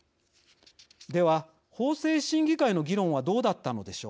では、法制審議会の議論はどうだったのでしょう。